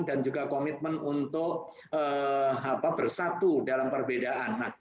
dan juga komitmen untuk bersatu dalam perbedaan